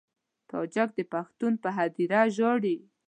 تاجک د پښتون پر هدیره ژاړي.